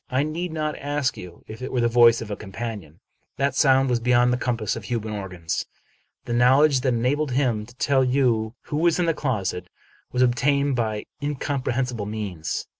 I need not ask you if it were the voice of a companion. That sound was beyond the compass of human organs. The knowledge that enabled him to tell you who was in the closet was obtained by incomprehensible means.